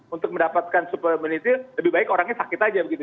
untuk mendapatkan super immunity lebih baik orang yang sakit saja begitu